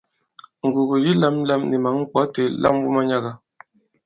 Ngùgù yi lāmlām ni mǎŋ ŋkwɔ̌ itē, lam wu manyaga!